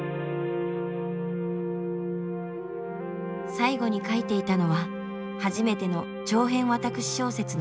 最後に書いていたのは初めての長編私小説の最終回。